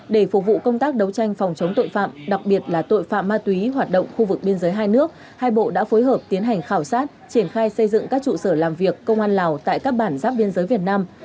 đặc biệt là tội phạm ma túy hoạt động khu vực biên giới hai nước hai bộ đã phối hợp tiến hành khảo sát triển khai xây dựng các trụ sở làm việc công an lào tại các bản giáp biên giới việt nam